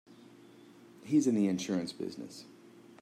He's in the insurance business.